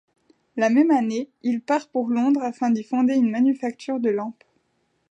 La même année il part pour Londres afin d'y fonder une manufacture de lampes.